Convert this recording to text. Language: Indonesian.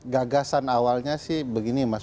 gagasan awalnya sih begini mas